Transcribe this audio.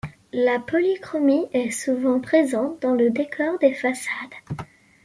La polychromie est souvent présente dans le décor des façades.